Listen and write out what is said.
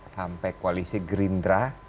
sampai koalisi gerindra